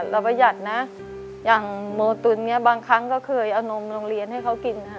ระประหยัดนะอย่างโมตุ๋ณบางครั้งก็เคยเอานมโลงเรียนให้เขากิน